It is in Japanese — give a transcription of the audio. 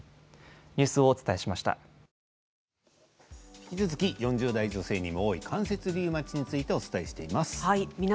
引き続き４０代女性に多い関節リウマチについてお伝えします。